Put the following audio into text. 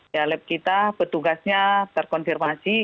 ya lab kita petugasnya terkonfirmasi